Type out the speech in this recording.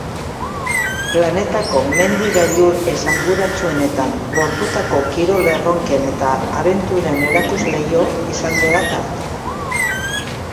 Planetako mendi gailur esanguratsuenetan lortutako kirol erronken eta abenturen erakusleiho izango da tartea.